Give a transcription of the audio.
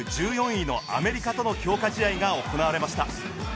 １４位のアメリカとの強化試合が行われました。